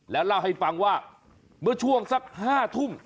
แล้วเล่าให้ฟังว่าเมื่อช่วงสัก๕ทุ่ม